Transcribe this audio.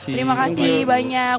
terima kasih banyak